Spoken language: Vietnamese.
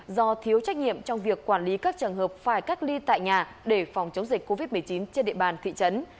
do thiếu trách nhiệm trong việc quản lý các trường hợp phải cách ly tại nhà để phòng chống dịch covid một mươi chín trên địa bàn thị trấn